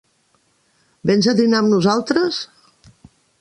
Vens a dinar amb nosaltres?